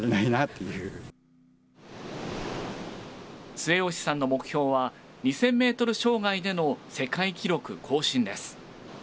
末吉さんの目標は２０００メートル障害での世界記録更新です。